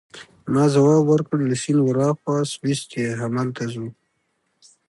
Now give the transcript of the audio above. ما ځواب ورکړ: له سیند ورهاخوا سویس دی، همالته ځو.